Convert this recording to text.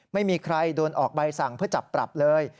ไม่มีใครโดนออกใบสั่งเพื่อจับปรับเลย